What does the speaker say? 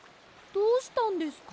どうしたんですか？